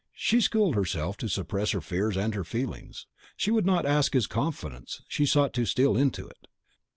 She schooled herself to suppress her fears and her feelings. She would not ask his confidence, she sought to steal into it.